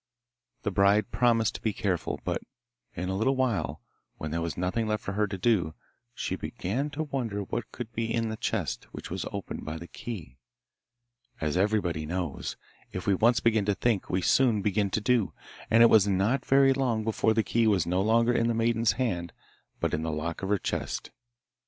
The bride promised to be careful, but in a little while, when there was nothing left for her to do, she began to wonder what could be in the chest, which was opened by the key. As everybody knows, if we once begin to think we soon begin to do, and it was not very long before the key was no longer in the maiden's hand but in the lock of the chest.